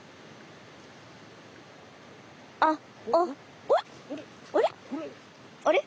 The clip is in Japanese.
あっあれ？